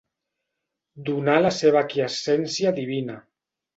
Donà la seva aquiescència divina.